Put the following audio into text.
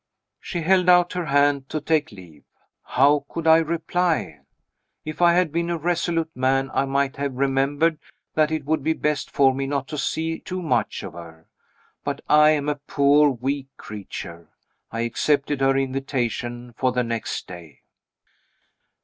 She held out her hand to take leave. How could I reply? If I had been a resolute man, I might have remembered that it would be best for me not to see too much of her. But I am a poor weak creature I accepted her invitation for the next day.